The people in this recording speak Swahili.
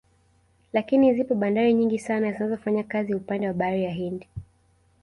Lakini zipo bandari nyingi sana zinazofanya kazi upande wa bahari ya Hindi